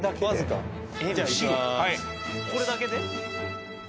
はいこれだけで？